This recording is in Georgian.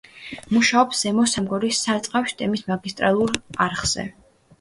მუშაობს ზემო სამგორის სარწყავი სისტემის მაგისტრალურ არხზე.